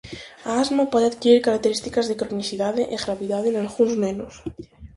A asma pode adquirir características de cronicidade e gravidade nalgúns nenos.